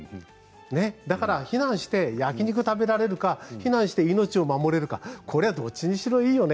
だから避難して焼き肉食べられるか避難して命を守れるかこれはどっちにしろいいよね。